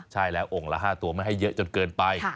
ใช่แล้วองค์ละ๕ตัวไม่ให้เยอะจนเกินไป